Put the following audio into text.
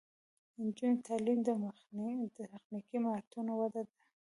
د نجونو تعلیم د تخنیکي مهارتونو وده ده.